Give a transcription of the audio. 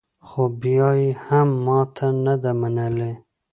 خو بیا یې هم ماته نه ده منلې